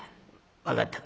分かったか？」。